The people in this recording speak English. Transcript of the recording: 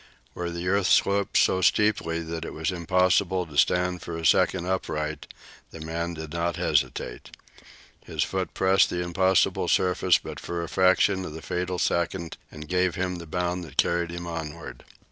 Where the earth sloped so steeply that it was impossible to stand for a second upright, the man did not hesitate. His foot pressed the impossible surface for but a fraction of the fatal second and gave him the bound that carried him onward.